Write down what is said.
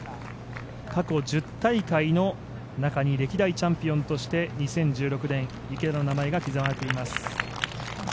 過去１０大会の中に歴代チャンピオンとして２０１６年、池田の名前が刻まれています。